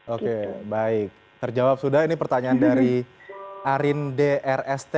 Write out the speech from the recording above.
oke baik terjawab sudah ini pertanyaan dari arin drst